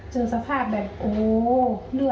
เจอสภาพแบบโอ้โฮเลือดอาบเลย